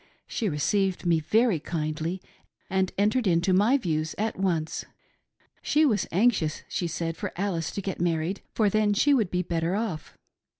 She received me very kindly and entered into my views at once. She was anxious, she said, for Alice to get married, for then she would be better off.